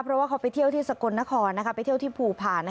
เพราะว่าเขาไปเที่ยวที่สกลนครไปเที่ยวที่ภูผา